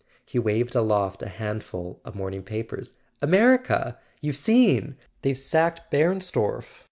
He waved aloft a handful of morning papers. "America! You've seen? They've sacked Bern storff!